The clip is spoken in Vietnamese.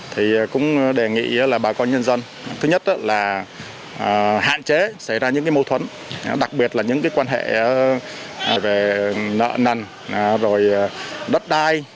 thứ nhất là hạn chế xảy ra những mâu thuẫn đặc biệt là những quan hệ về nợ nằn đất đai